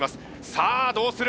さあどうする！？